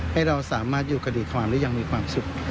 ให้เราสามารถอยู่คดีความได้ยังมีความสุข